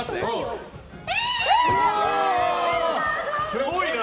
すごいな！